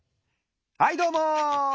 はいどうも！